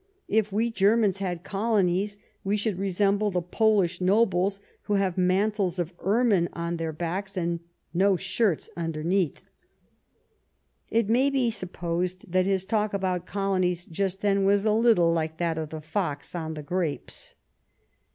If we Ger mans had colonies, we should resemble the Polish nobles, who have mantles of ermine on their backs and no shirts underneath." It may be supposed that his talk about colonies just then was a little like that of the fox on the grapes.